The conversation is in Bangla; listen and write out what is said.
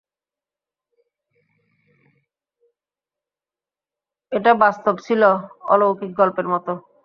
এটা বাস্তব ছিল, অলৌকিক গল্পের মত।